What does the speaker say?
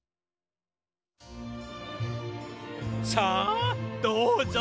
さあどうぞ！